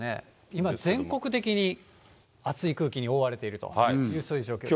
今、全国的に暑い空気に覆われていると、そういう状況です。